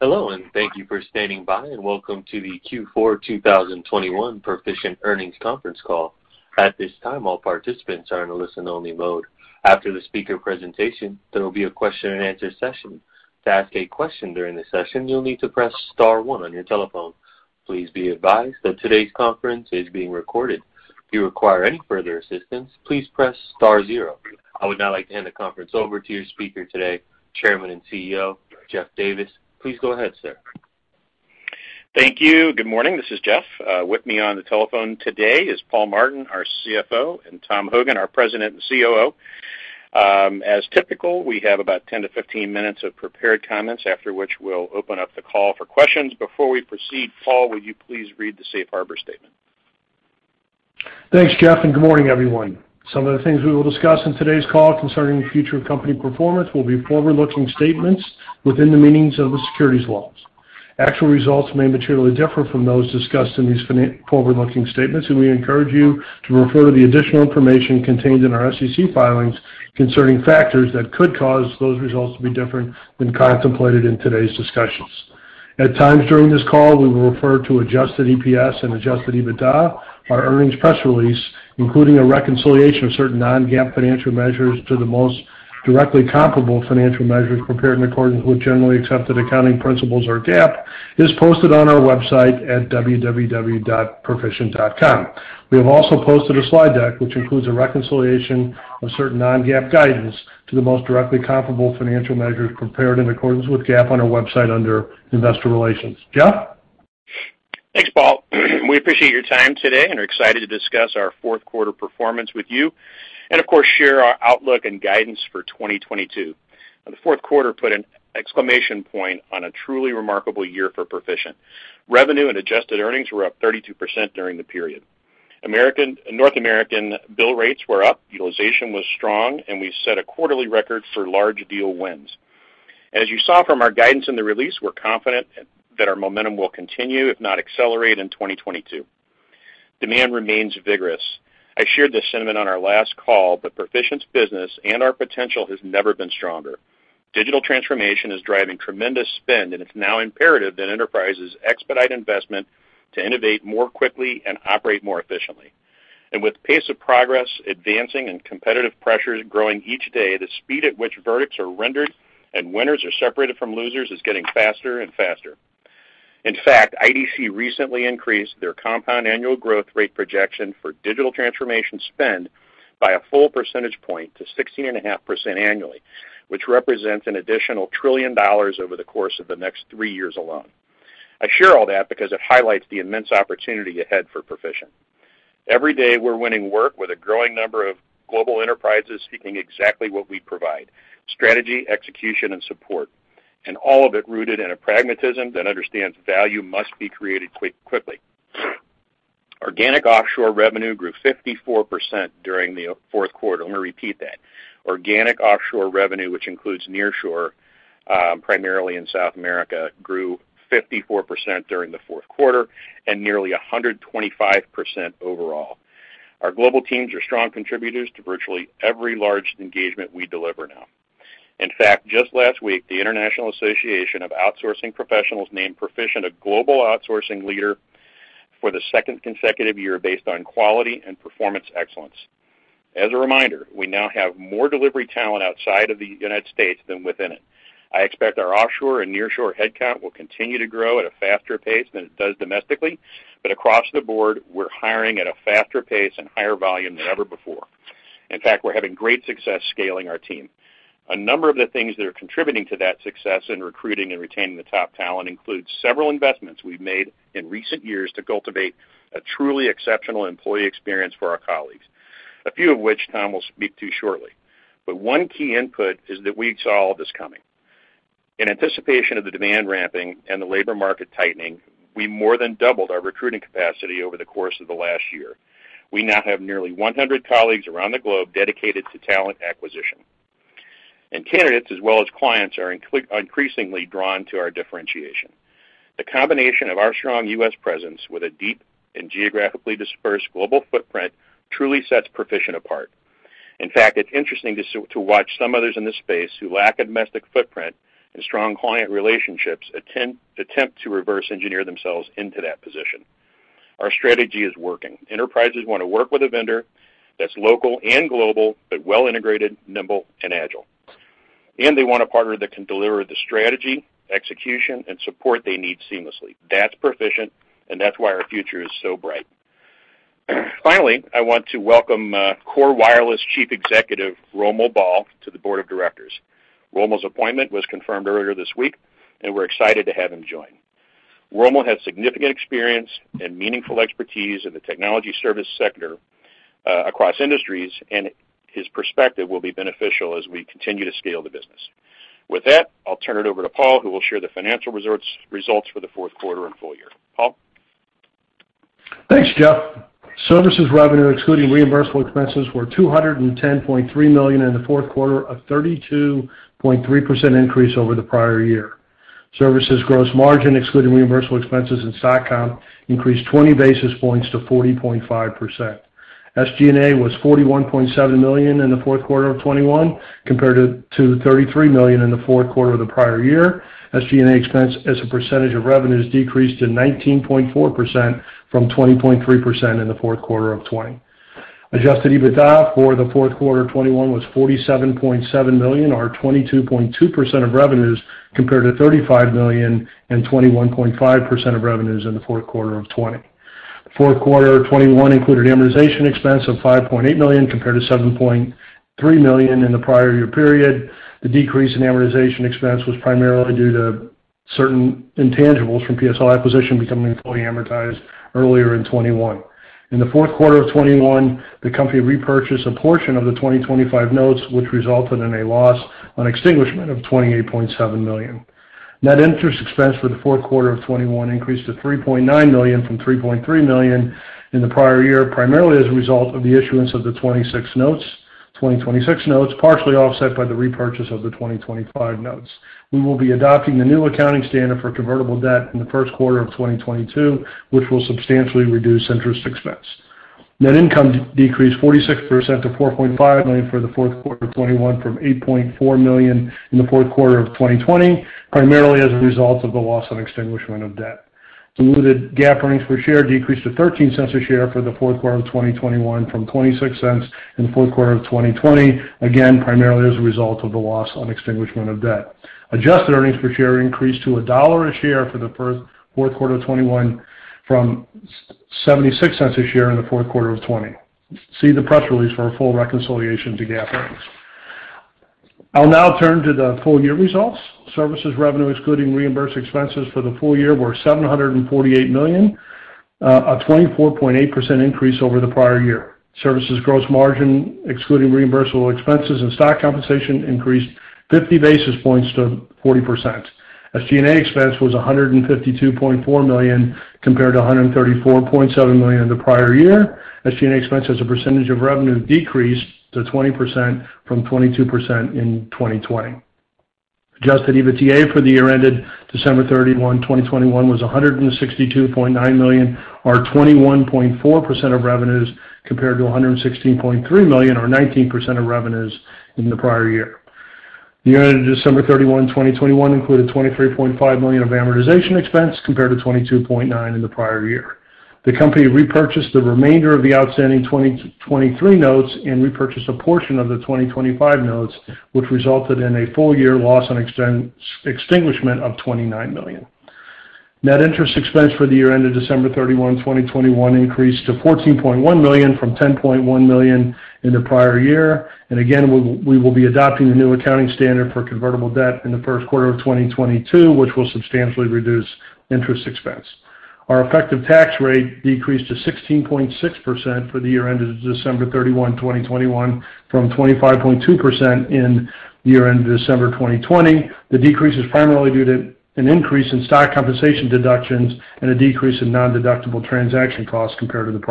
Hello, and thank you for standing by, and welcome to the Q4 2021 Perficient Earnings Conference Call. At this time, all participants are in a listen-only mode. After the speaker presentation, there will be a question-and-answer session. To ask a question during the session, you'll need to press star one on your telephone. Please be advised that today's conference is being recorded. If you require any further assistance, please press star zero. I would now like to hand the conference over to your speaker today, Chairman and CEO, Jeff Davis. Please go ahead, sir. Thank you. Good morning. This is Jeff. With me on the telephone today is Paul Martin, our CFO, and Tom Hogan, our President and COO. As typical, we have about 10-15 minutes of prepared comments, after which we'll open up the call for questions. Before we proceed, Paul, would you please read the safe harbor statement? Thanks, Jeff, and good morning, everyone. Some of the things we will discuss in today's call concerning the future of company performance will be forward-looking statements within the meanings of the securities laws. Actual results may materially differ from those discussed in these forward-looking statements, and we encourage you to refer to the additional information contained in our SEC filings concerning factors that could cause those results to be different than contemplated in today's discussions. At times during this call, we will refer to adjusted EPS and adjusted EBITDA. Our earnings press release, including a reconciliation of certain non-GAAP financial measures to the most directly comparable financial measures compared in accordance with generally accepted accounting principles or GAAP, is posted on our website at www.perficient.com. We have also posted a slide deck which includes a reconciliation of certain non-GAAP guidance to the most directly comparable financial measures compared in accordance with GAAP on our website under Investor Relations. Jeff? Thanks, Paul. We appreciate your time today and are excited to discuss our fourth quarter performance with you, and of course, share our outlook and guidance for 2022. The fourth quarter put an exclamation point on a truly remarkable year for Perficient. Revenue and adjusted earnings were up 32% during the period. North American bill rates were up, utilization was strong, and we set a quarterly record for large deal wins. As you saw from our guidance in the release, we're confident that our momentum will continue, if not accelerate in 2022. Demand remains vigorous. I shared this sentiment on our last call, but Perficient's business and our potential has never been stronger. Digital transformation is driving tremendous spend, and it's now imperative that enterprises expedite investment to innovate more quickly and operate more efficiently. With pace of progress advancing and competitive pressures growing each day, the speed at which verdicts are rendered and winners are separated from losers is getting faster and faster. In fact, IDC recently increased their compound annual growth rate projection for digital transformation spend by a full percentage point to 16.5% annually, which represents an additional $1 trillion over the course of the next three years alone. I share all that because it highlights the immense opportunity ahead for Perficient. Every day, we're winning work with a growing number of global enterprises seeking exactly what we provide, strategy, execution, and support, and all of it rooted in a pragmatism that understands value must be created quickly. Organic offshore revenue grew 54% during the fourth quarter. I'm gonna repeat that. Organic offshore revenue, which includes nearshore, primarily in South America, grew 54% during the fourth quarter and nearly 125% overall. Our global teams are strong contributors to virtually every large engagement we deliver now. In fact, just last week, the International Association of Outsourcing Professionals named Perficient a global outsourcing leader for the second consecutive year based on quality and performance excellence. As a reminder, we now have more delivery talent outside of the United States than within it. I expect our offshore and nearshore headcount will continue to grow at a faster pace than it does domestically. Across the board, we're hiring at a faster pace and higher volume than ever before. In fact, we're having great success scaling our team. A number of the things that are contributing to that success in recruiting and retaining the top talent includes several investments we've made in recent years to cultivate a truly exceptional employee experience for our colleagues, a few of which Tom will speak to shortly. One key input is that we saw all of this coming. In anticipation of the demand ramping and the labor market tightening, we more than doubled our recruiting capacity over the course of the last year. We now have nearly 100 colleagues around the globe dedicated to talent acquisition. Candidates as well as clients are increasingly drawn to our differentiation. The combination of our strong US presence with a deep and geographically dispersed global footprint truly sets Perficient apart. In fact, it's interesting to watch some others in this space who lack a domestic footprint and strong client relationships attempt to reverse engineer themselves into that position. Our strategy is working. Enterprises wanna work with a vendor that's local and global, but well integrated, nimble and agile. They want a partner that can deliver the strategy, execution, and support they need seamlessly. That's Perficient, and that's why our future is so bright. Finally, I want to welcome KORE Wireless Chief Executive Romil Bahl to the board of directors. Romil's appointment was confirmed earlier this week, and we're excited to have him join. Romil has significant experience and meaningful expertise in the technology service sector across industries, and his perspective will be beneficial as we continue to scale the business. With that, I'll turn it over to Paul, who will share the financial results for the fourth quarter and full year. Paul? Thanks, Jeff. Services revenue, excluding reimbursable expenses, were $210.3 million in the fourth quarter, a 32.3% increase over the prior-year. Services gross margin, excluding reimbursable expenses and stock comp, increased 20 basis points to 40.5%. SG&A was $41.7 million in the fourth quarter of 2021 compared to the $33 million in the fourth quarter of the prior-year. SG&A expense as a percentage of revenues decreased to 19.4% from 20.3% in the fourth quarter of 2020. Adjusted EBITDA for the fourth quarter of 2021 was $47.7 million or 22.2% of revenues compared to $35 million and 21.5% of revenues in the fourth quarter of 2020. The fourth quarter of 2021 included amortization expense of $5.8 million compared to $7.3 million in the prior-year period. The decrease in amortization expense was primarily due to certain intangibles from PSL acquisition becoming fully amortized earlier in 2021. In the fourth quarter of 2021, the company repurchased a portion of the 2025 Notes, which resulted in a loss on extinguishment of $28.7 million. Net interest expense for the fourth quarter of 2021 increased to $3.9 million from $3.3 million in the prior-year, primarily as a result of the issuance of the 2026 Notes, partially offset by the repurchase of the 2025 Notes. We will be adopting a new accounting standard for convertible debt in the first quarter of 2022, which will substantially reduce interest expense. Net income decreased 46% to $4.5 million for the fourth quarter of 2021 from $8.4 million in the fourth quarter of 2020, primarily as a result of the loss on extinguishment of debt. Diluted GAAP earnings per share decreased to $0.13 a share for the fourth quarter of 2021 from $0.26 in the fourth quarter of 2020, again, primarily as a result of the loss on extinguishment of debt. Adjusted earnings per share increased to $1 a share for the fourth quarter of 2021 from $0.76 a share in the fourth quarter of 2020. See the press release for a full reconciliation to GAAP earnings. I'll now turn to the full-year results. Services revenue excluding reimbursed expenses for the full-year was $748 million, a 24.8% increase over the prior-year. Services gross margin, excluding reimbursable expenses and stock compensation, increased 50 basis points to 40%. SG&A expense was $152.4 million compared to $134.7 million in the prior-year. SG&A expense as a percentage of revenue decreased to 20% from 22% in 2020. Adjusted EBITDA for the year ended December 31, 2021 was $162.9 million or 21.4% of revenues compared to $116.3 million or 19% of revenues in the prior-year. The year ended December 31, 2021 included $23.5 million of amortization expense compared to $22.9 million in the prior-year. The company repurchased the remainder of the outstanding 2023 Notes and repurchased a portion of the 2025 Notes, which resulted in a full-year loss on extinguishment of $29 million. Net interest expense for the year ended December 31, 2021 increased to $14.1 million from $10.1 million in the prior-year. Again, we will be adopting the new accounting standard for convertible debt in the first quarter of 2022, which will substantially reduce interest expense. Our effective tax-rate decreased to 16.6% for the year ended 31 December 2021 from 25.2% in the year ended December 2020. The decrease is primarily due to an increase in stock compensation deductions and a decrease in nondeductible transaction costs compared to the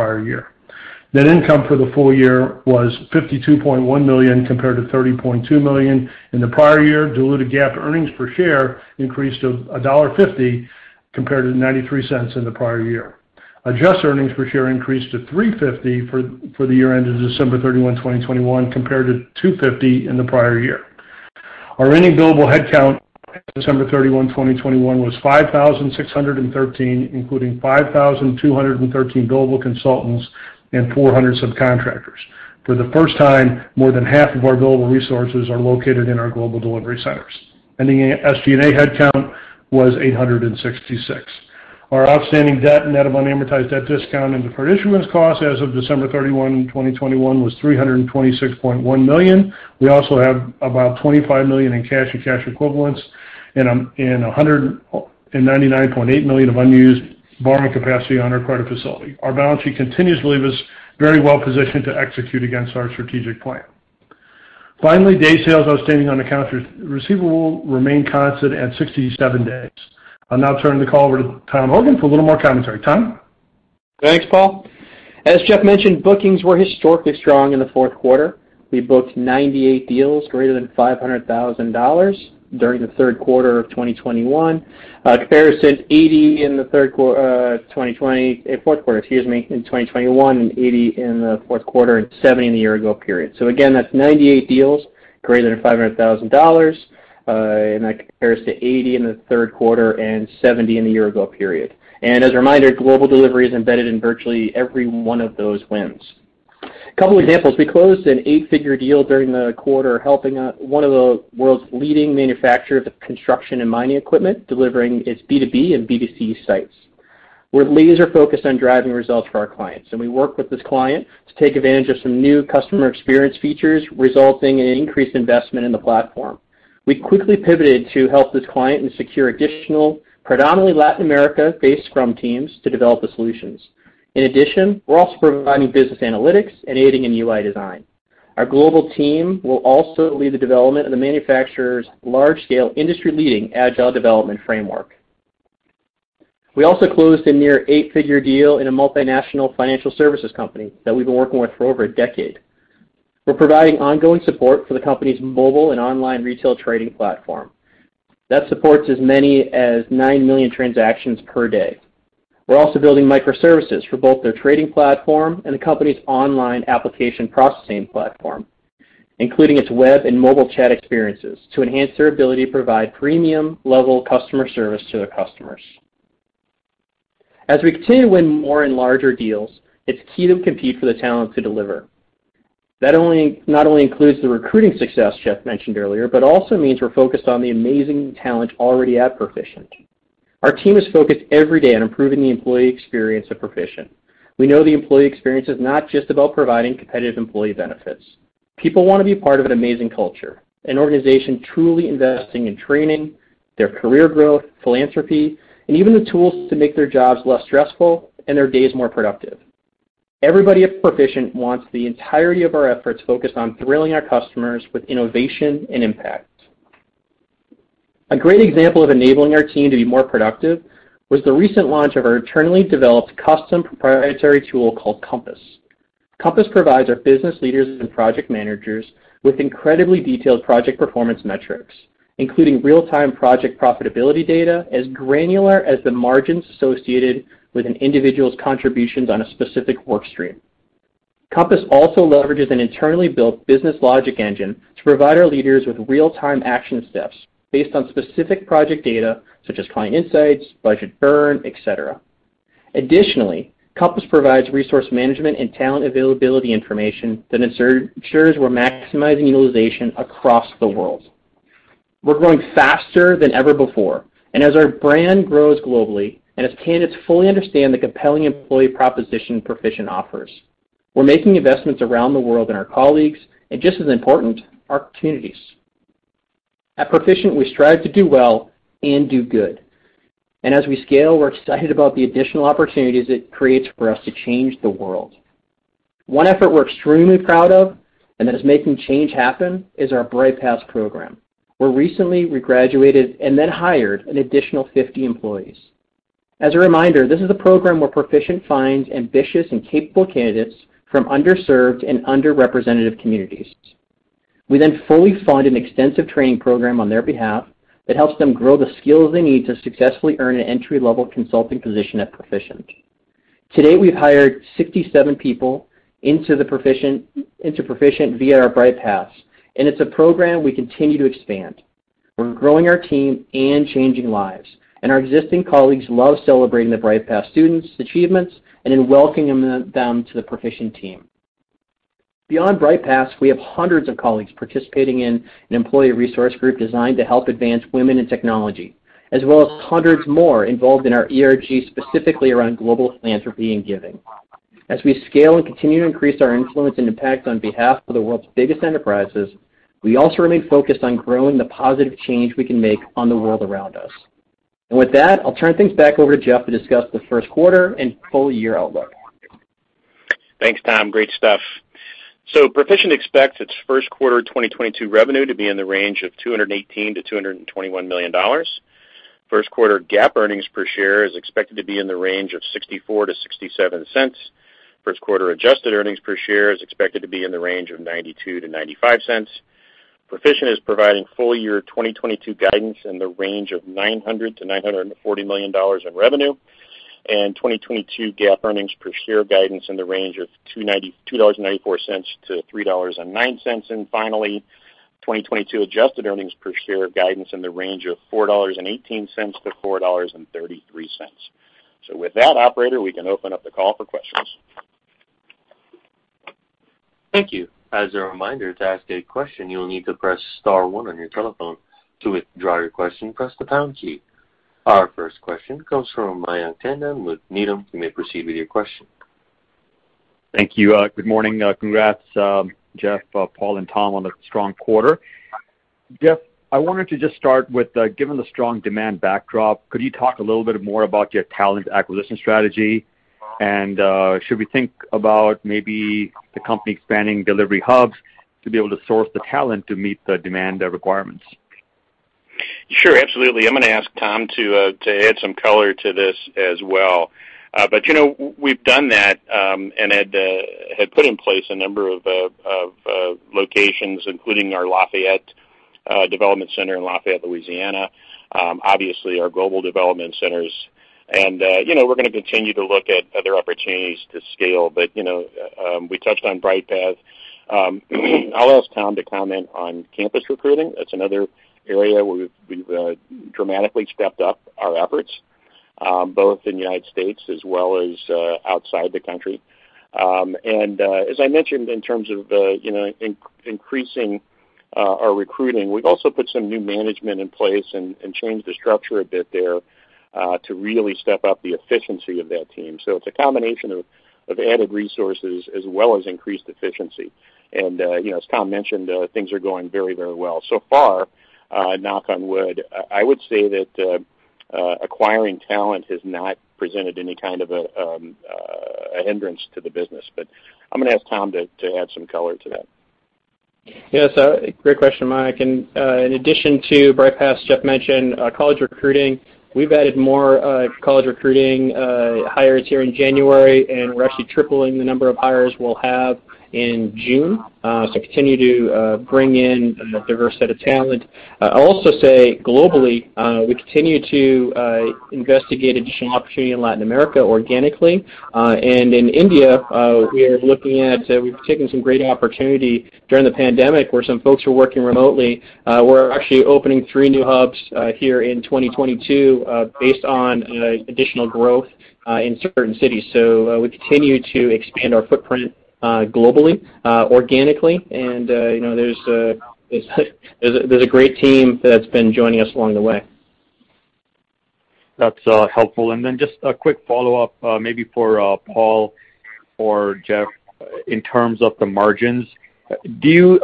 prior-year. Net income for the full-year was $52.1 million compared to $30.2 million in the prior-year. Diluted GAAP earnings per share increased to $1.50 compared to $0.93 in the prior-year. Adjusted earnings per share increased to $3.50 for the year ended 31 December 2021 compared to $2.50 in the prior-year. Our ending billable headcount, 31 December 2021, was 5,613, including 5,213 billable consultants and 400 subcontractors. For the first time, more than half of our billable resources are located in our global delivery centers. Ending SG&A headcount was 866. Our outstanding debt, net of unamortized debt discount and the part issuance cost as of 31 December 2021, was $326.1 million. We also have about $25 million in cash and cash equivalents and a $199.8 million of unused borrowing capacity on our credit facility. Our balance sheet continuously was very well positioned to execute against our strategic plan. Finally, days sales outstanding on accounts receivable remained constant at 67 days. I'll now turn the call over to Tom Hogan for a little more commentary. Tom? Thanks, Paul. As Jeff mentioned, bookings were historically strong in the fourth quarter. We booked 98 deals greater than $500,000 during the third quarter of 2021. Again, that's 98 deals greater than $500,000, and that compares to 80 in the third quarter and 70 in the year ago period. As a reminder, global delivery is embedded in virtually every one of those wins. A couple examples. We closed an eight-figure deal during the quarter, helping one of the world's leading manufacturer of construction and mining equipment, delivering its B2B and B2C sites. We're laser-focused on driving results for our clients, and we worked with this client to take advantage of some new customer experience features, resulting in increased investment in the platform. We quickly pivoted to help this client and secure additional predominantly Latin America-based Scrum teams to develop the solutions. In addition, we're also providing business analytics and aiding in UI design. Our global team will also lead the development of the manufacturer's large-scale industry-leading agile development framework. We also closed a near eight-figure deal in a multinational financial services company that we've been working with for over a decade. We're providing ongoing support for the company's mobile and online retail trading platform. That supports as many as 9 million transactions per day. We're also building microservices for both their trading platform and the company's online application processing platform, including its web and mobile chat experiences to enhance their ability to provide premium level customer service to their customers. As we continue to win more and larger deals, it's key to compete for the talent to deliver. That not only includes the recruiting success Jeff mentioned earlier, but also means we're focused on the amazing talent already at Perficient. Our team is focused every day on improving the employee experience at Perficient. We know the employee experience is not just about providing competitive employee benefits. People wanna be part of an amazing culture, an organization truly investing in training, their career growth, philanthropy, and even the tools to make their jobs less stressful and their days more productive. Everybody at Perficient wants the entirety of our efforts focused on thrilling our customers with innovation and impact. A great example of enabling our team to be more productive was the recent launch of our internally developed custom proprietary tool called Compass. Compass provides our business leaders and project managers with incredibly detailed project performance metrics, including real-time project profitability data as granular as the margins associated with an individual's contributions on a specific work stream. Compass also leverages an internally built business logic engine to provide our leaders with real-time action steps based on specific project data such as client insights, budget burn, et cetera. Additionally, Compass provides resource management and talent availability information that ensures we're maximizing utilization across the world. We're growing faster than ever before, and as our brand grows globally and as candidates fully understand the compelling employee proposition Perficient offers, we're making investments around the world in our colleagues, and just as important, our communities. At Perficient, we strive to do well and do good. As we scale, we're excited about the additional opportunities it creates for us to change the world. One effort we're extremely proud of and that is making change happen is our Bright Paths program, where recently we graduated and then hired an additional 50 employees. As a reminder, this is a program where Perficient finds ambitious and capable candidates from underserved and under representative communities. We then fully fund an extensive training program on their behalf that helps them grow the skills they need to successfully earn an entry-level consulting position at Perficient. To date, we've hired 67 people into Perficient via our Bright Paths, and it's a program we continue to expand. We're growing our team and changing lives, and our existing colleagues love celebrating the Bright Paths students' achievements and in welcoming them to the Perficient team. Beyond Bright Paths, we have hundreds of colleagues participating in an employee resource group designed to help advance women in technology, as well as hundreds more involved in our ERG, specifically around global philanthropy and giving. As we scale and continue to increase our influence and impact on behalf of the world's biggest enterprises, we also remain focused on growing the positive change we can make on the world around us. With that, I'll turn things back over to Jeff to discuss the first quarter and full-year outlook. Thanks, Tom. Great stuff. Perficient expects its first quarter 2022 revenue to be in the range of $218 million-$221 million. First quarter GAAP earnings per share is expected to be in the range of $0.64-$0.67. First quarter adjusted earnings per share is expected to be in the range of $0.92-$0.95. Perficient is providing full-year 2022 guidance in the range of $900 million-$940 million in revenue and 2022 GAAP earnings per share guidance in the range of $2.92-$3.09. Finally, 2022 adjusted earnings per share guidance in the range of $4.18-$4.33. With that, operator, we can open up the call for questions. Thank you. As a reminder, to ask a question, you will need to press star one on your telephone. To withdraw your question, press the pound key. Our first question comes from Mayank Tandon with Needham. You may proceed with your question. Thank you. Good morning. Congrats, Jeff, Paul, and Tom on the strong quarter. Jeff, I wanted to just start with, given the strong demand backdrop, could you talk a little bit more about your talent acquisition strategy? Should we think about maybe the company expanding delivery hubs to be able to source the talent to meet the demand requirements? Sure, absolutely. I'm gonna ask Tom to add some color to this as well. You know, we've done that, and had put in place a number of locations, including our Lafayette development center in Lafayette, Louisiana, obviously our global development centers. You know, we're gonna continue to look at other opportunities to scale. You know, we touched on Bright Paths. I'll ask Tom to comment on campus recruiting. That's another area where we've dramatically stepped up our efforts, both in the United States as well as outside the country. As I mentioned, in terms of you know, increasing our recruiting, we've also put some new management in place and changed the structure a bit there to really step up the efficiency of that team. It's a combination of added resources as well as increased efficiency. You know, as Tom mentioned, things are going very, very well so far. Knock on wood, I would say that acquiring talent has not presented any kind of a hindrance to the business. I'm gonna ask Tom to add some color to that. Yes, great question, Mayank. In addition to Bright Paths, Jeff mentioned college recruiting. We've added more college recruiting hires here in January, and we're actually tripling the number of hires we'll have in June, so continue to bring in a diverse set of talent. I'll also say globally, we continue to investigate additional opportunity in Latin America organically. In India, we've taken some great opportunities during the pandemic where some folks are working remotely. We're actually opening three new hubs here in 2022, based on additional growth in certain cities. We continue to expand our footprint globally organically. You know, there's a great team that's been joining us along the way. That's helpful. Then just a quick follow-up, maybe for Paul or Jeff in terms of the margins. Do you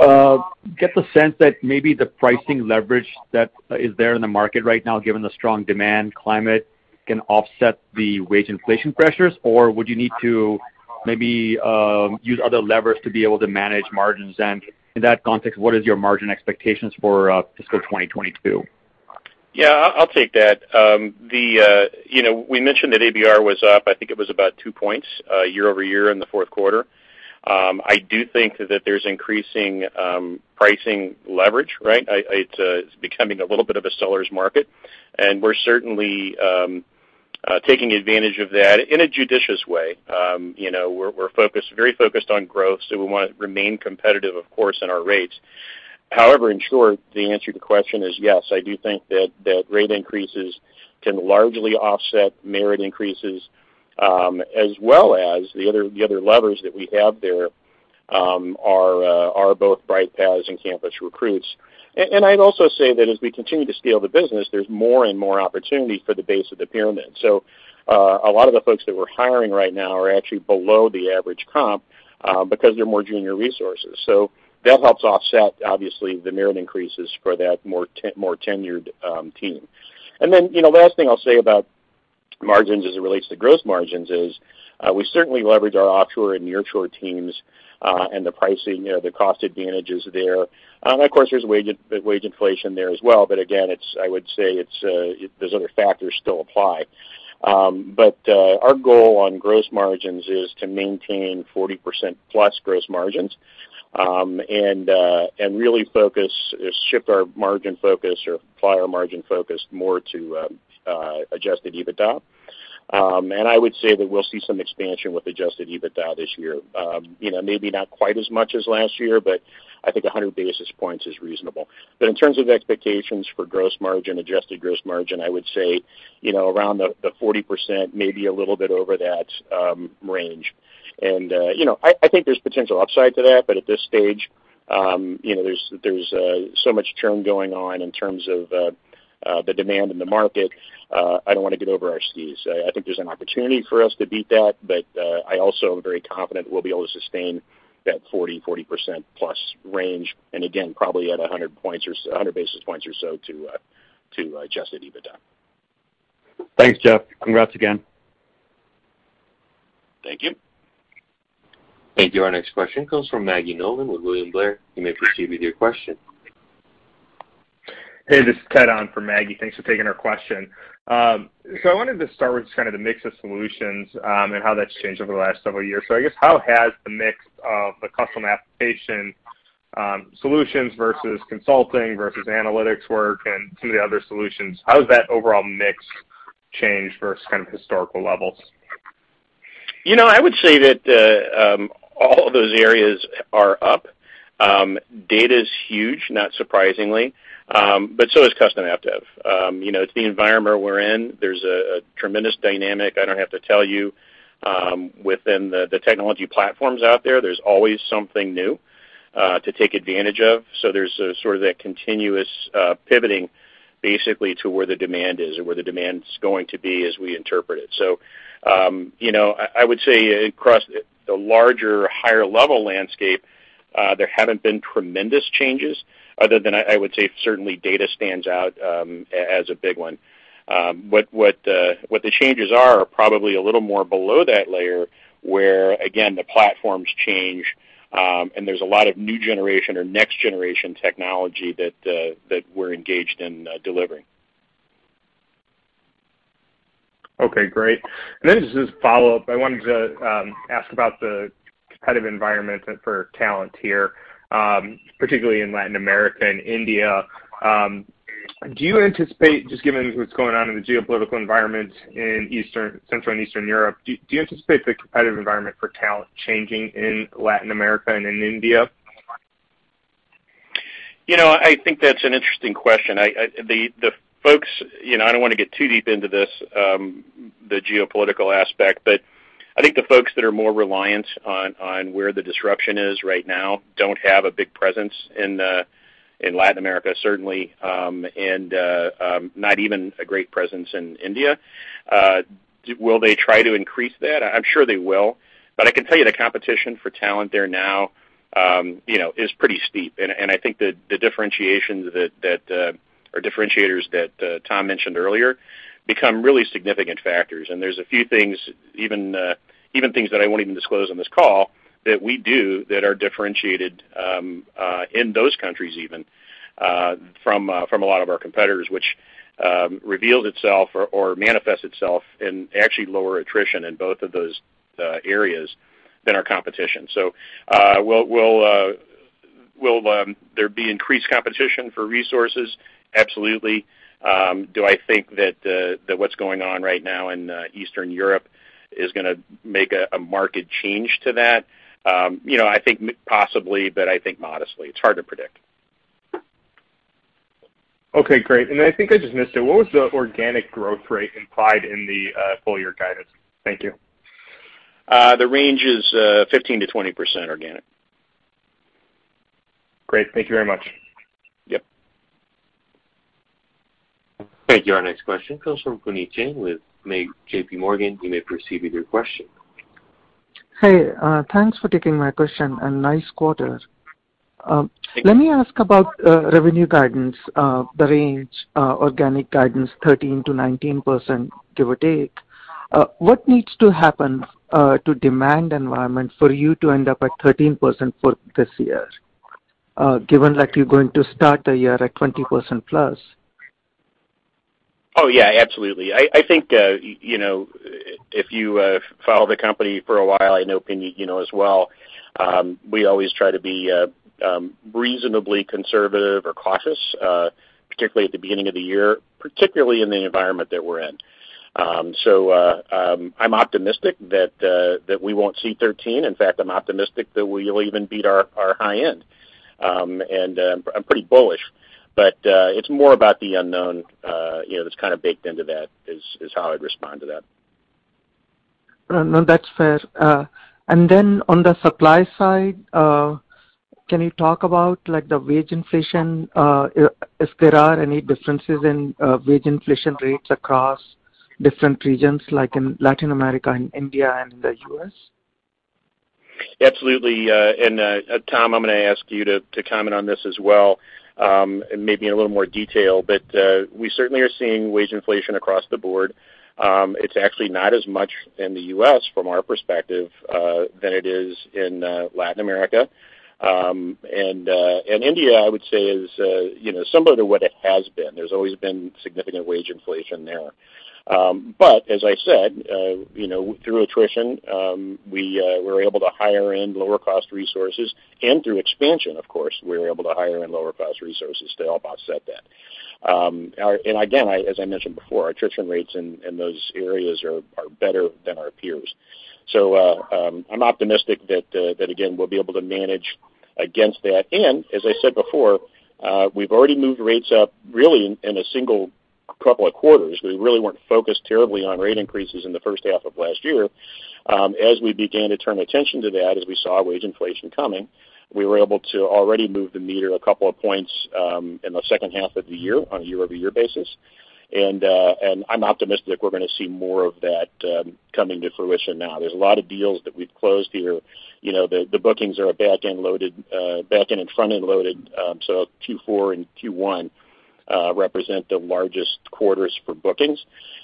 get the sense that maybe the pricing leverage that is there in the market right now, given the strong demand climate, can offset the wage inflation pressures? Or would you need to maybe use other levers to be able to manage margins? In that context, what is your margin expectations for fiscal 2022? Yeah, I'll take that. You know, we mentioned that ABR was up. I think it was about two points year-over-year in the fourth quarter. I do think that there's increasing pricing leverage, right? It is becoming a little bit of a seller's market, and we're certainly taking advantage of that in a judicious way. You know, we're focused, very focused on growth, so we wanna remain competitive, of course, in our rates. However, in short, the answer to the question is yes. I do think that rate increases can largely offset merit increases as well as the other levers that we have there are both Bright Paths and campus recruits. I'd also say that as we continue to scale the business, there's more and more opportunities for the base of the pyramid. A lot of the folks that we're hiring right now are actually below the average comp because they're more junior resources. That helps offset, obviously, the merit increases for that more tenured team. You know, last thing I'll say about margins as it relates to gross margins is we certainly leverage our offshore and nearshore teams and the pricing, you know, the cost advantages there. Of course, there's wage inflation there as well, but again, it's, I would say, those other factors still apply. Our goal on gross margins is to maintain 40%+ gross margins, and really focus, shift our margin focus or apply our margin focus more to adjusted EBITDA. I would say that we'll see some expansion with adjusted EBITDA this year. You know, maybe not quite as much as last year, but I think 100 basis points is reasonable. In terms of expectations for gross margin, adjusted gross margin, I would say, you know, around the 40%, maybe a little bit over that range. You know, I think there's potential upside to that, but at this stage, you know, there's so much churn going on in terms of the demand in the market. I don't wanna get over our skis. I think there's an opportunity for us to beat that, but I also am very confident we'll be able to sustain that 40%-40%+ range, and again, probably at 100 basis points or so to adjusted EBITDA. Thanks, Jeff. Congrats again. Thank you. Thank you. Our next question comes from Maggie Nolan with William Blair. You may proceed with your question. Hey, this is Ted on for Maggie. Thanks for taking our question. I wanted to start with just kind of the mix of solutions, and how that's changed over the last several years. I guess how has the mix of the custom application solutions versus consulting versus analytics work and some of the other solutions, how has that overall mix changed versus kind of historical levels? You know, I would say that all of those areas are up. Data's huge, not surprisingly, but so is custom app dev. You know, it's the environment we're in. There's a tremendous dynamic, I don't have to tell you, within the technology platforms out there. There's always something new to take advantage of. There's sort of that continuous pivoting basically to where the demand is or where the demand's going to be as we interpret it. You know, I would say across the larger, higher level landscape, there haven't been tremendous changes other than I would say certainly data stands out as a big one. What the changes are are probably a little more below that layer, where again, the platforms change, and there's a lot of new generation or next generation technology that that we're engaged in delivering. Okay, great. Then just as a follow-up, I wanted to ask about the competitive environment for talent here, particularly in Latin America and India. Do you anticipate, just given what's going on in the geopolitical environment in Central and Eastern Europe, do you anticipate the competitive environment for talent changing in Latin America and in India? You know, I think that's an interesting question. You know, I don't wanna get too deep into this, the geopolitical aspect, but I think the folks that are more reliant on where the disruption is right now don't have a big presence in Latin America, certainly, and not even a great presence in India. Will they try to increase that? I'm sure they will. I can tell you the competition for talent there now is pretty steep. I think the differentiations or differentiators that Tom mentioned earlier become really significant factors. There's a few things, even things that I won't even disclose on this call. That we do that are differentiated in those countries even, from a lot of our competitors, which reveals itself or manifests itself in actually lower attrition in both of those areas than our competition. Will there be increased competition for resources? Absolutely. Do I think that what's going on right now in Eastern Europe is gonna make a market change to that? You know, I think possibly, but I think modestly. It's hard to predict. Okay, great. I think I just missed it. What was the organic growth rate implied in the full-year guidance? Thank you. The range is 15%-20% organic. Great. Thank you very much. Yep. Thank you. Our next question comes from Puneet Jain with JPMorgan. You may proceed with your question. Hey, thanks for taking my question, and nice quarter. Thank you. Let me ask about revenue guidance, the range, organic guidance, 13%-19%, give or take. What needs to happen to the demand environment for you to end up at 13% for this year, given that you're going to start the year at 20%+? Oh, yeah, absolutely. I think you know, if you followed the company for a while, I know Puneet you know as well, we always try to be reasonably conservative or cautious, particularly at the beginning of the year, particularly in the environment that we're in. I'm optimistic that we won't see 13. In fact, I'm optimistic that we'll even beat our high-end. I'm pretty bullish, but it's more about the unknown you know, that's kind of baked into that is how I'd respond to that. No, that's fair. On the supply side, can you talk about like the wage inflation, if there are any differences in wage inflation rates across different regions like in Latin America and India and the U.S.? Absolutely. Tom, I'm gonna ask you to comment on this as well, maybe in a little more detail. We certainly are seeing wage inflation across the board. It's actually not as much in the U.S. from our perspective than it is in Latin America. India, I would say, you know, is similar to what it has been. There's always been significant wage inflation there. As I said, you know, through attrition, we're able to hire in lower cost resources and through expansion, of course, we're able to hire in lower cost resources to help offset that. Again, as I mentioned before, our attrition rates in those areas are better than our peers. I'm optimistic that again, we'll be able to manage against that. As I said before, we've already moved rates up really in a single couple of quarters. We really weren't focused terribly on rate increases in the first half of last year. As we began to turn attention to that, as we saw wage inflation coming, we were able to already move the meter a couple of points in the second half of the year on a year-over-year basis. I'm optimistic we're gonna see more of that coming to fruition now. There's a lot of deals that we've closed here. You know, the bookings are back-end and front-end loaded. Q4 and Q1 represent the largest quarters for bookings.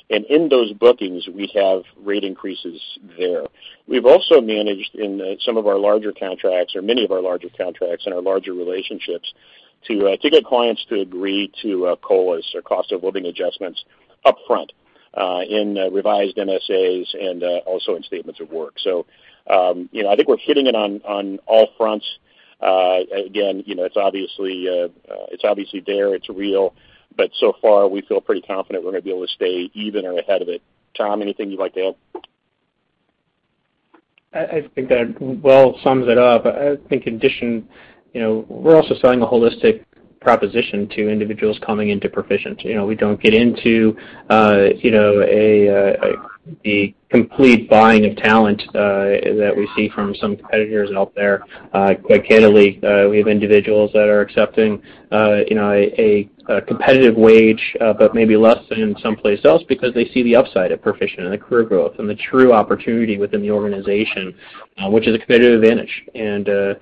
In those bookings, we have rate increases there. We've also managed in some of our larger contracts or many of our larger contracts and our larger relationships to get clients to agree to COLAs or cost of living adjustments upfront in revised MSAs and also in statements of work. You know, I think we're hitting it on all fronts. Again, you know, it's obviously there, it's real, but so far we feel pretty confident we're gonna be able to stay even or ahead of it. Tom, anything you'd like to add? I think that well sums it up. I think in addition, you know, we're also selling a holistic proposition to individuals coming into Perficient. You know, we don't get into the complete buying of talent that we see from some competitors out there. Quite candidly, we have individuals that are accepting a competitive wage, but maybe less than someplace else because they see the upside at Perficient and the career growth and the true opportunity within the organization, which is a competitive advantage.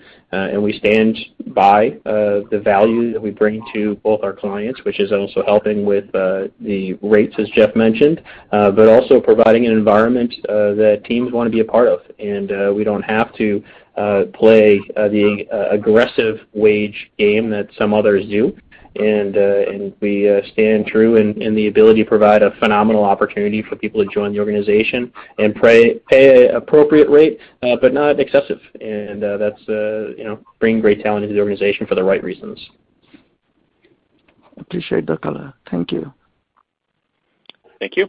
We stand by the value that we bring to both our clients, which is also helping with the rates, as Jeff mentioned, but also providing an environment that teams wanna be a part of. We don't have to play the aggressive wage game that some others do. We stand true in the ability to provide a phenomenal opportunity for people to join the organization and pay appropriate rate, but not excessive. That's you know bringing great talent into the organization for the right reasons. Appreciate the color. Thank you. Thank you.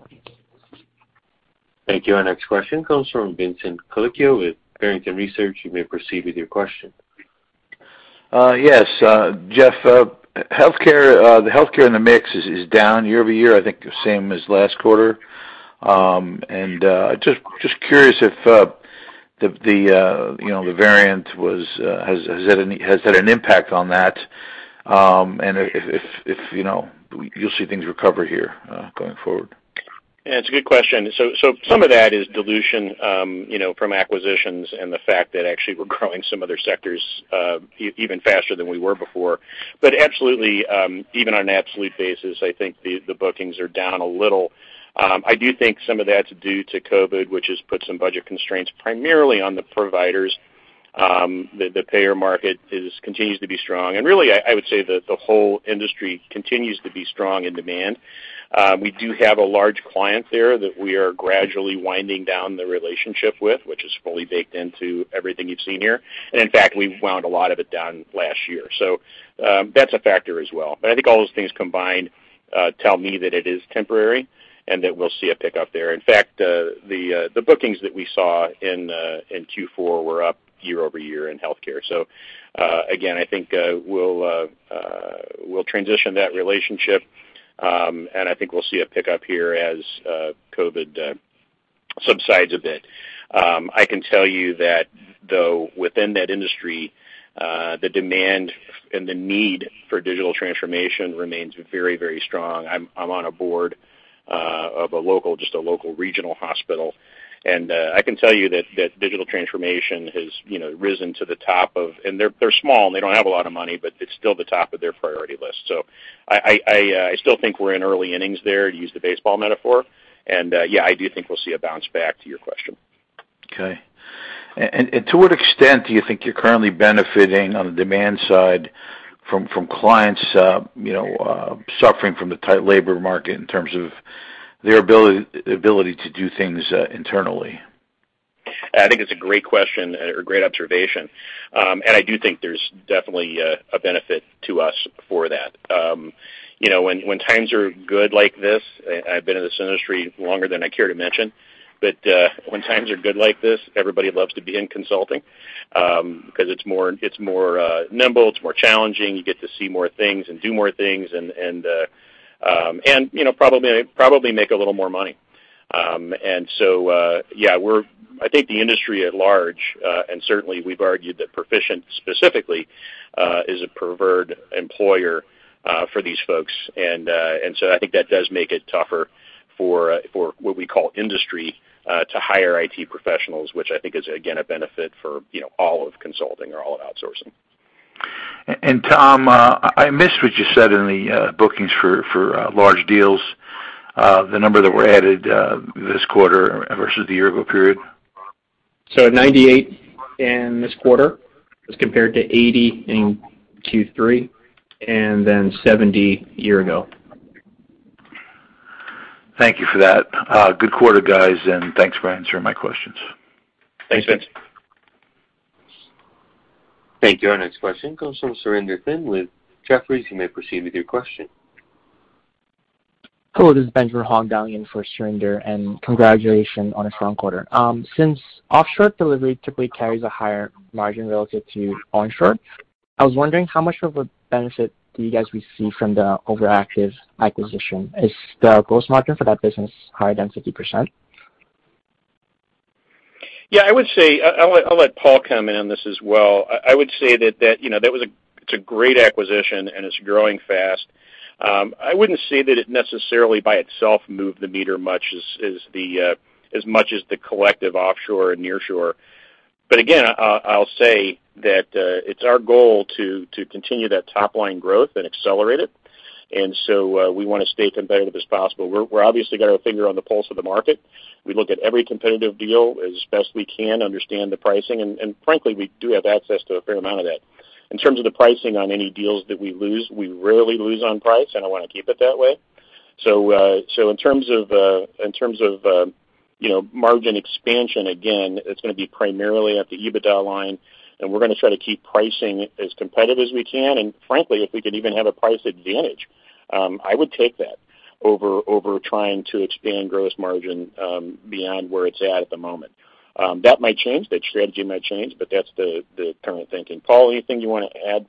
Thank you. Our next question comes from Vincent Colicchio with Barrington Research. You may proceed with your question. Yes. Jeff, the healthcare in the mix is down year-over-year, I think the same as last quarter. Just curious if, you know, the variant has had an impact on that, and if, you know, you'll see things recover here going forward. Yeah, it's a good question. Some of that is dilution, you know, from acquisitions and the fact that actually we're growing some other sectors, even faster than we were before. Absolutely, even on an absolute basis, I think the bookings are down a little. I do think some of that's due to COVID, which has put some budget constraints primarily on the providers. The payer market continues to be strong. Really I would say that the whole industry continues to be strong in demand. We do have a large client there that we are gradually winding down the relationship with, which is fully baked into everything you've seen here. In fact, we wound a lot of it down last year. That's a factor as well. I think all those things combined tell me that it is temporary and that we'll see a pickup there. In fact, the bookings that we saw in Q4 were up year-over-year in healthcare. Again, I think we'll transition that relationship, and I think we'll see a pickup here as COVID subsides a bit. I can tell you that though, within that industry, the demand and the need for digital transformation remains very, very strong. I'm on a board of a local, just a local regional hospital, and I can tell you that digital transformation has, you know, risen to the top, and they're small, and they don't have a lot of money, but it's still the top of their priority list. I still think we're in early innings there, to use the baseball metaphor. Yeah, I do think we'll see a bounce back to your question. To what extent do you think you're currently benefiting on the demand side from clients, you know, suffering from the tight labor market in terms of their ability to do things internally? I think it's a great question or great observation. I do think there's definitely a benefit to us for that. You know, when times are good like this, I've been in this industry longer than I care to mention, but when times are good like this, everybody loves to be in consulting because it's more nimble, it's more challenging. You get to see more things and do more things and you know, probably make a little more money. Yeah, I think the industry at large, and certainly we've argued that Perficient specifically is a preferred employer for these folks. I think that does make it tougher for what we call industry to hire IT professionals, which I think is again a benefit for, you know, all of consulting or all of outsourcing. Tom, I missed what you said in the bookings for large deals. The number that were added this quarter versus the year ago period. 98 in this quarter as compared to 80 in Q3 and then 70 a year ago. Thank you for that. Good quarter, guys, and thanks for answering my questions. Thanks, Vince. Thank you. Our next question comes from Surinder Thind with Jefferies. You may proceed with your question. Hello, this is Benjamin Hong dialing in for Surinder, and congratulations on a strong quarter. Since offshore delivery typically carries a higher margin relative to onshore, I was wondering how much of a benefit do you guys receive from the Overactive acquisition? Is the gross margin for that business higher than 50%? Yeah, I would say I'll let Paul comment on this as well. I would say that, you know, that was a great acquisition and it's growing fast. I wouldn't say that it necessarily by itself moved the meter much as much as the collective offshore and nearshore. Again, I'll say that it's our goal to continue that top-line growth and accelerate it. We wanna stay competitive as possible. We're obviously got our finger on the pulse of the market. We look at every competitive deal as best we can, understand the pricing, and frankly, we do have access to a fair amount of that. In terms of the pricing on any deals that we lose, we rarely lose on price, and I wanna keep it that way. In terms of you know margin expansion, again, it's gonna be primarily at the EBITDA line, and we're gonna try to keep pricing as competitive as we can. Frankly, if we can even have a price advantage, I would take that over trying to expand gross margin beyond where it's at the moment. That strategy might change, but that's the current thinking. Paul, anything you wanna add?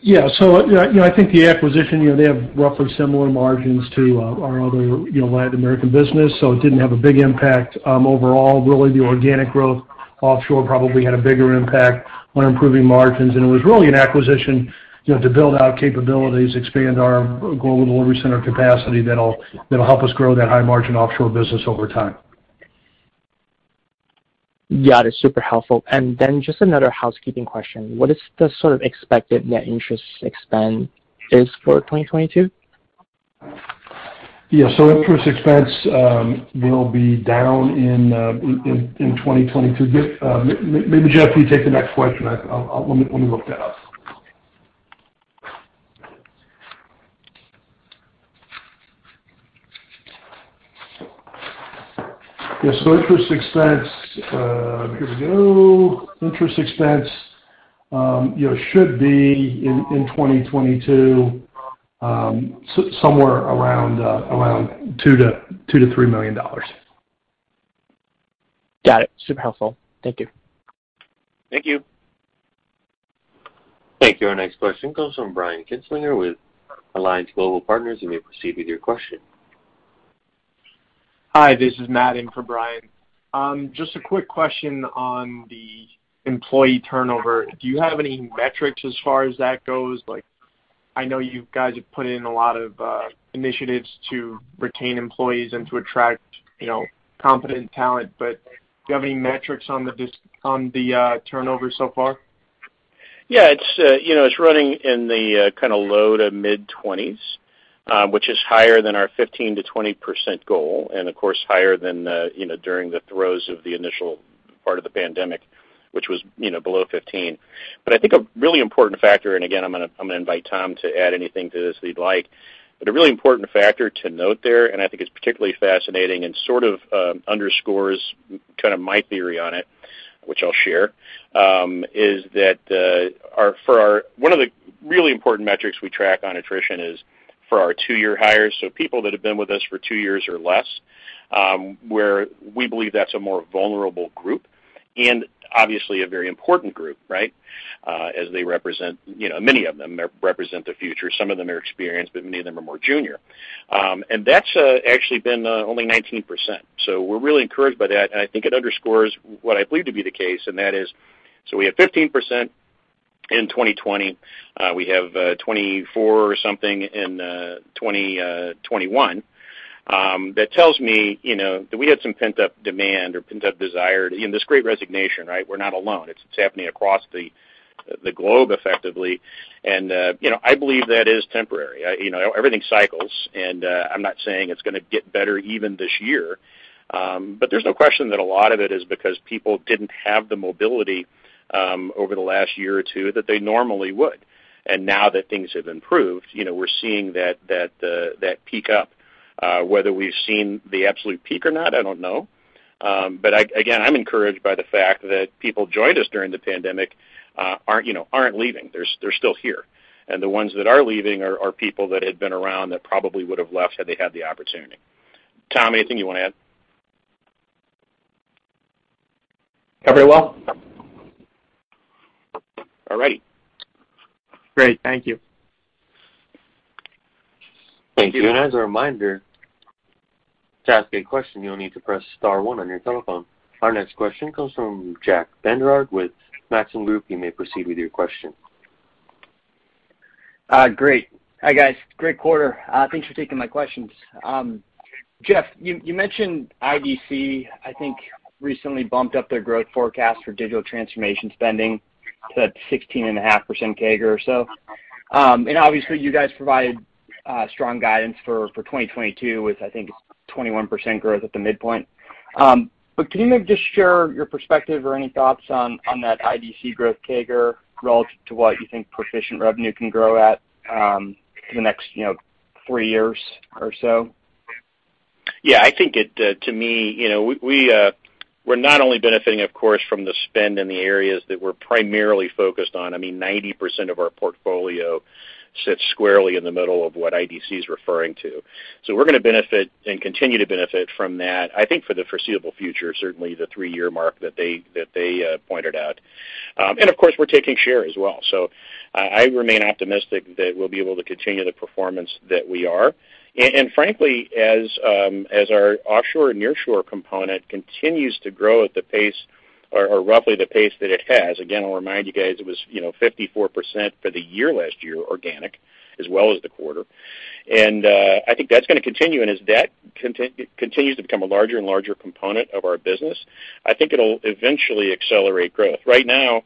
Yeah, you know, I think the acquisition, you know, they have roughly similar margins to our other, you know, Latin American business, so it didn't have a big impact overall. Really, the organic growth offshore probably had a bigger impact on improving margins, and it was really an acquisition, you know, to build out capabilities, expand our global delivery center capacity that'll help us grow that high margin offshore business over time. Yeah, that's super helpful. Just another housekeeping question. What is the sort of expected net interest expense for 2022? Yeah. Interest expense will be down in 2022. Jeff, can you take the next question? Let me look that up. Yeah. Interest expense here we go. Interest expense you know should be in 2022 somewhere around $2 million-$3 million. Got it. Super helpful. Thank you. Thank you. Thank you. Our next question comes from Brian Kinstlinger with Alliance Global Partners. You may proceed with your question. Hi, this is Matt in for Brian. Just a quick question on the employee turnover. Do you have any metrics as far as that goes? Like, I know you guys have put in a lot of initiatives to retain employees and to attract, you know, competent talent, but do you have any metrics on the turnover so far? Yeah, it's, you know, it's running in the, kind of low to mid-20s%, which is higher than our 15%-20% goal, and of course, higher than the, you know, during the throes of the initial part of the pandemic, which was, you know, below 15%. I think a really important factor, and again, I'm gonna invite Tom to add anything to this that he'd like. A really important factor to note there, and I think it's particularly fascinating and sort of, underscores kind of my theory on it, which I'll share, is that one of the really important metrics we track on attrition is for our two-year hires, so people that have been with us for two years or less, where we believe that's a more vulnerable group, and obviously a very important group, right? As they represent, you know, many of them represent the future. Some of them are experienced, but many of them are more junior. That's actually been only 19%. We're really encouraged by that, and I think it underscores what I believe to be the case, and that is, we have 15% in 2020. We have 24 or something in 2021. That tells me, you know, that we had some pent-up demand or pent-up desire in this great resignation, right? We're not alone. It's happening across the globe effectively. You know, I believe that is temporary. You know, everything cycles, and I'm not saying it's gonna get better even this year. There's no question that a lot of it is because people didn't have the mobility over the last year or two that they normally would. Now that things have improved, you know, we're seeing that pick up. Whether we've seen the absolute peak or not, I don't know. I'm encouraged by the fact that people joined us during the pandemic aren't leaving. They're still here. The ones that are leaving are people that had been around that probably would have left had they had the opportunity. Tom, anything you wanna add? Covered it well. All right. Great. Thank you. Thank you. As a reminder, to ask a question, you'll need to press star one on your telephone. Our next question comes from Jack Vander Aarde with Maxim Group. You may proceed with your question. Great. Hi, guys. Great quarter. Thanks for taking my questions. Jeff, you mentioned IDC, I think recently bumped up their growth forecast for digital transformation spending to 16.5% CAGR or so. Obviously you guys provided strong guidance for 2022 with, I think, 21% growth at the midpoint. Can you maybe just share your perspective or any thoughts on that IDC growth CAGR relative to what you think Perficient revenue can grow at in the next, you know, three years or so? Yeah. I think it to me, you know, we're not only benefiting, of course, from the spend in the areas that we're primarily focused on. I mean, 90% of our portfolio sits squarely in the middle of what IDC is referring to. We're gonna benefit and continue to benefit from that, I think for the foreseeable future, certainly the three-year mark that they pointed out. Of course, we're taking share as well. I remain optimistic that we'll be able to continue the performance that we are. Frankly, as our offshore and nearshore component continues to grow at the pace or roughly the pace that it has, again, I'll remind you guys, it was, you know, 54% for the year last year organic, as well as the quarter. I think that's gonna continue. As that continues to become a larger and larger component of our business, I think it'll eventually accelerate growth. Right now,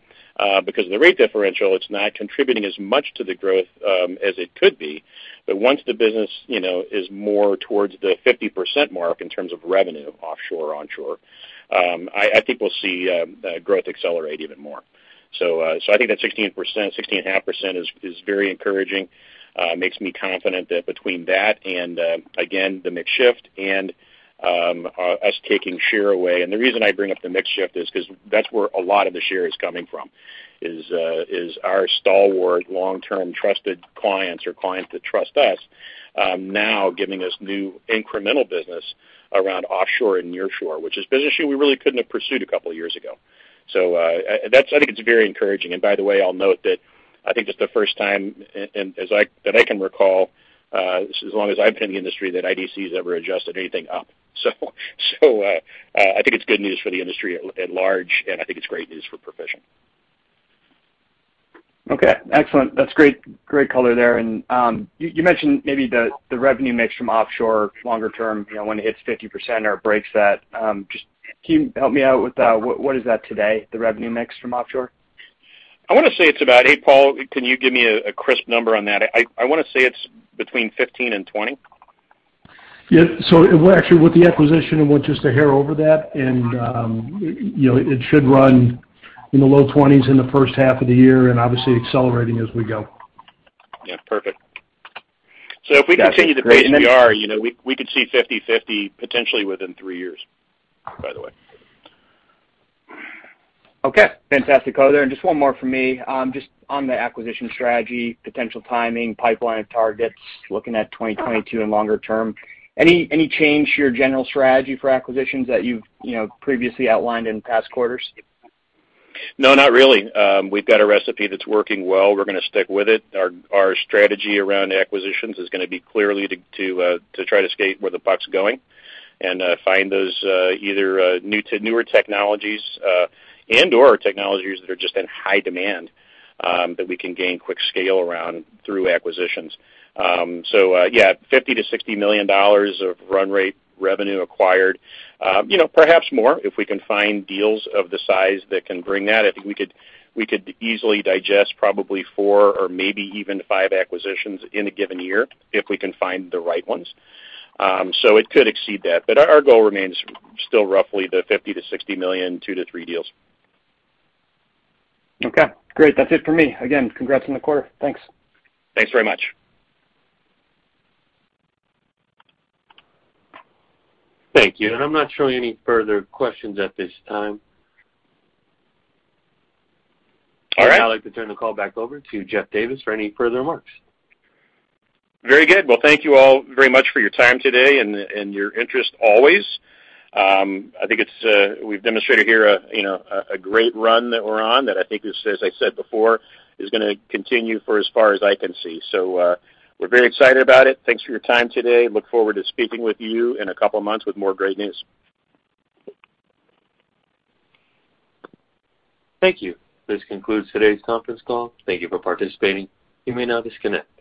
because of the rate differential, it's not contributing as much to the growth as it could be. Once the business, you know, is more towards the 50% mark in terms of revenue, offshore, onshore, I think we'll see growth accelerate even more. I think that 16%, 16.5% is very encouraging. It makes me confident that between that and, again, the mix shift and us taking share away. The reason I bring up the mix shift is 'cause that's where a lot of the share is coming from, is our stalwart long-term trusted clients or clients that trust us, now giving us new incremental business around offshore and nearshore, which is business we really couldn't have pursued a couple years ago. I think it's very encouraging. By the way, I'll note that I think it's the first time that I can recall, as long as I've been in the industry, that IDC has ever adjusted anything up. I think it's good news for the industry at large, and I think it's great news for Perficient. Okay. Excellent. That's great color there. You mentioned maybe the revenue mix from offshore longer term, you know, when it hits 50% or breaks that, just can you help me out with what is that today, the revenue mix from offshore? Hey, Paul, can you give me a crisp number on that? I wanna say it's between 15 and 20. Yeah. We're actually with the acquisition and we're just a hair over that. You know, it should run in the low 20s in the first half of the year and obviously accelerating as we go. Yeah. Perfect. If we continue the pace we are, you know, we could see 50/50 potentially within three years, by the way. Okay. Fantastic color. Just one more from me. Just on the acquisition strategy, potential timing, pipeline of targets, looking at 2022 and longer-term, any change to your general strategy for acquisitions that you've, you know, previously outlined in past quarters? No, not really. We've got a recipe that's working well. We're gonna stick with it. Our strategy around acquisitions is gonna be clearly to try to skate where the buck's going and find those either newer technologies and/or technologies that are just in high demand that we can gain quick scale around through acquisitions. $50 million-$60 million of run-rate revenue acquired. Perhaps more if we can find deals of the size that can bring that. I think we could easily digest probably four or maybe even five acquisitions in a given year if we can find the right ones. It could exceed that. Our goal remains still roughly the $50 million-$60 million, two-three deals. Okay, great. That's it for me. Again, congrats on the quarter. Thanks. Thanks very much. Thank you. I'm not showing any further questions at this time. All right. I'd like to turn the call back over to Jeff Davis for any further remarks. Very good. Well, thank you all very much for your time today and your interest always. I think we've demonstrated here, you know, a great run that we're on that I think is, as I said before, is gonna continue for as far as I can see. We're very excited about it. Thanks for your time today. I look forward to speaking with you in a couple of months with more great news. Thank you. This concludes today's conference call. Thank you for participating. You may now disconnect.